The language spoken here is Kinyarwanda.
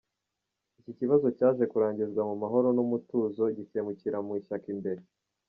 Iki kibazo cyaje kurangizwa mu mahoro n’umutuzo, gikemukira mu ishyaka imbere.